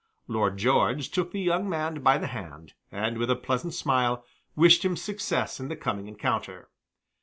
Lord George took the young man by the hand, and with a pleasant smile wished him success in the coming encounter.